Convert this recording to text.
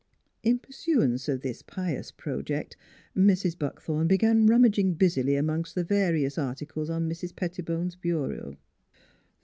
In pursuance of this pious project Mrs. Buck thorn began rummaging busily among the various articles on Mrs. Pettibone's bureau.